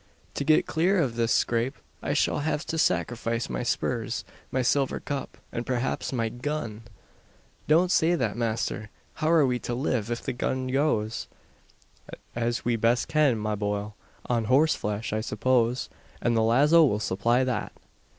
To get clear of this scrape I shall have to sacrifice my spurs, my silver cup, and perhaps my gun!" "Don't say that, masther! How are we to live, if the gun goes?" "As we best can, ma bohil. On horseflesh, I suppose: and the lazo will supply that."